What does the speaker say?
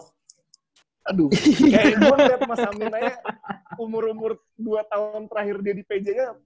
aduh mas amin aja umur umur dua tahun terakhir dia di pj nya